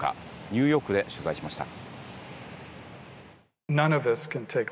ニューヨークで取材しました。